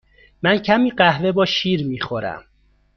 من کمی قهوه با شیر می خورم.